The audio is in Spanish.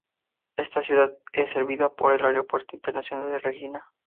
Esta ciudad es servida por el Aeropuerto Internacional de Regina.